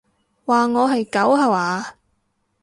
話我係狗吓話？